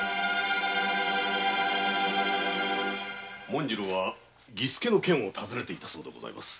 紋次郎は儀助の件を尋ねていたそうでございます。